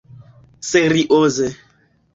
serioze